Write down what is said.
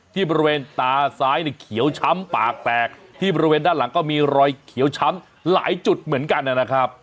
ที่บริเวณตาซ้ายเนี่ยเขียวช้ำปากแตกที่บริเวณด้านหลังก็มีรอยเขียวช้ำหลายจุดเหมือนกันนะครับ